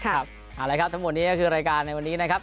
เอาละครับทั้งหมดนี้ก็คือรายการในวันนี้นะครับ